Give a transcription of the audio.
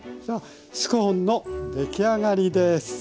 スコーンの出来上がりです。